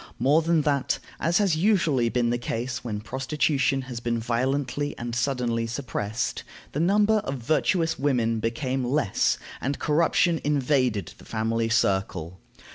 More than that, as has usually been the case when prostitution has been violently and suddenly suppressed, the number of virtuous women became less, and corruption invaded the family circle.